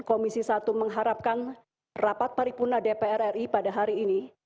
komisi satu mengharapkan rapat paripurna dpr ri pada hari ini